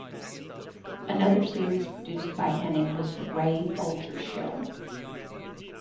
Another series produced by Henning was "The Ray Bolger Show".